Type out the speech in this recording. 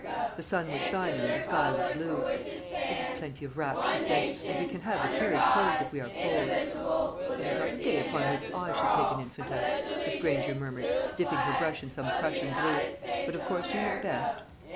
The sun was shining, and the sky was blue. "We have plenty of wraps," she said, "and we can have the carriage closed if we are cold." "It is not a day upon which I should take an infant out," Miss Granger murmured, dipping her brush in some Prussian blue; "but of course you know best."